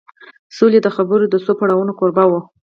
سولې د خبرو د څو پړاوونو کوربه و